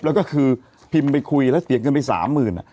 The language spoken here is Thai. แล้วก็คือพิมพ์ไปคุยแล้วเสียเงินไป๓๐๐๐บาท